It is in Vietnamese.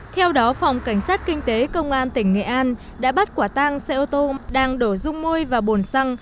theo đó phòng cảnh sát kinh tế công an tỉnh nghệ an đã bắt quả tang xe ô tô đang đổ dung môi và bồn xăng